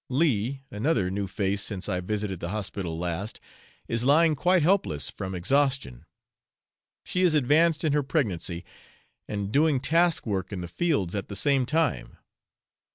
Leah, another new face since I visited the hospital last, is lying quite helpless from exhaustion; she is advanced in her pregnancy, and doing task work in the fields at the same time.